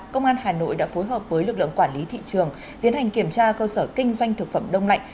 công an hà nội đã phối hợp với lực lượng quản lý thị trường tiến hành kiểm tra cơ sở kinh doanh thực phẩm đông lạnh